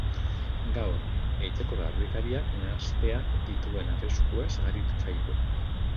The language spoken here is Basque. Gaur, etxeko garbikariak nahasteak dituen arriskuez aritu zaigu.